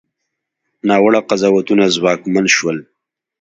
ناوړه قضاوتونه ځواکمن شول.